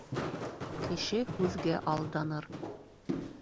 Кеше һүҙгә алданыр.